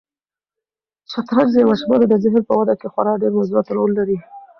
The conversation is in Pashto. شطرنج د ماشومانو د ذهن په وده کې خورا ډېر مثبت رول لري.